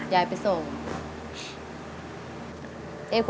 ยายไปส่งค่ะ